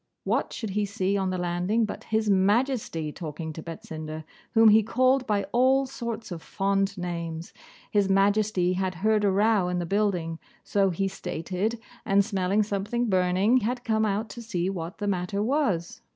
What should he see on the landing but His Majesty talking to Betsinda, whom he called by all sorts of fond names. His Majesty had heard a row in the building, so he stated, and smelling something burning, had come out to see what the matter was.